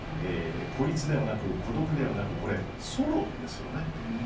孤立ではなく、孤独ではなくソロですね。